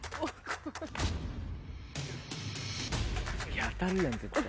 いや当たる絶対。